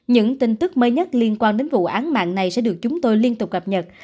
những tin tức mới nhất liên quan đến vụ án mạng này sẽ được chúng tôi liên tục cập nhật